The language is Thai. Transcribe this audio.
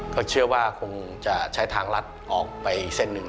ก็เชื่อว่าคงจะใช้ทางลัดออกไปเส้นหนึ่ง